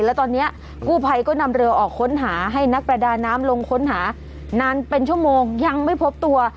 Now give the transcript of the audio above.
แล้วตอนนี้กู้ภัยก็นำเรือออกค้นหาให้นักประดาน้ำลงค้นหานานเป็นชั่วโมงยังไม่พบตัว